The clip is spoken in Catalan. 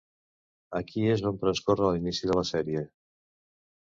Aquí és on transcorre l'inici de la sèrie.